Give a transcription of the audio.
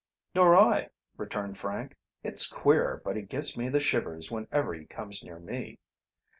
"Nor I," returned Frank. "It's queer, but he gives me the shivers whenever he comes near me."